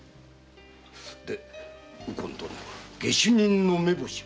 で右近殿下手人の目星は？